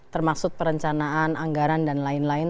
termasuk perencanaan anggaran dan lain lain